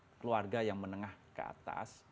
keluarga yang menengah ke atas